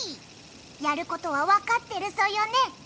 やることはわかってるソヨね？